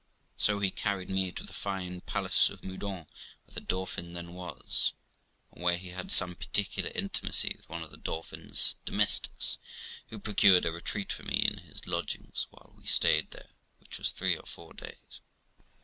So he carried me to the fine palace of Meudon, where the Dauphin then was, and where he had some particular intimacy with one of the Dauphin's domestics, who procured a retreat for me in his lodgings while we stayed there, which was three or four days.